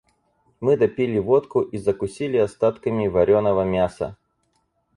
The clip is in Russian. Мы допили водку и закусили остатками вареного мяса.